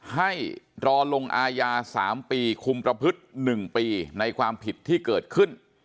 ให้รอลงอายา๓ปีคุมประพฤติ๑ปีในความผิดที่เกิดขึ้น